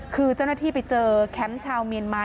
คือเจ้าหน้าที่ไปเจอแคมป์ชาวเมียนมา